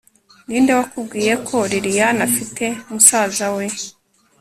ninde wakubwiye ko lilian afite musaza we!